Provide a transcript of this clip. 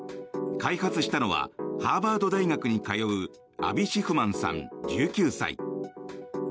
開発したのはハーバード大学に通うアビ・シフマンさん、１９歳。